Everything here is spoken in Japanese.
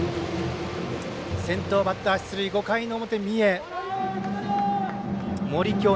先頭バッター、出塁５回の表、三重。